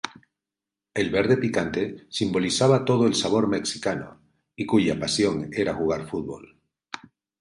El verde picante simbolizaba todo el sabor mexicano y cuya pasión era jugar fútbol.